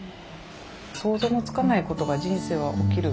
想像もつかないことが人生は起きる。